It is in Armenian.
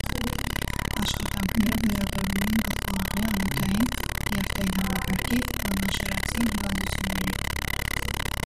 Աշխատանքները վերաբերում են գլխուղեղի անոթային, նյարդային համակարգի ողնաշարածին հիվանդություններին։